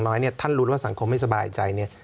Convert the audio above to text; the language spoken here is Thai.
แต่อย่างน้อยท่านรู้ว่าสังคมไม่สบายใจ